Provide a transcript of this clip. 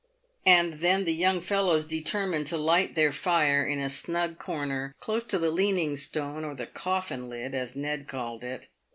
And then the young fellows determined to light their fire in a snug corner close to the leaning stone, or the " coffin lid," as Ned called it.